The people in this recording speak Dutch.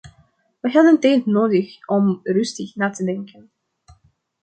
We hadden tijd nodig om rustig na te denken.